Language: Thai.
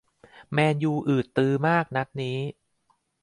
แมนยูอืดตืดมากนัดนี้